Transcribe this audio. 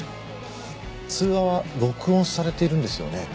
通話は録音されているんですよね。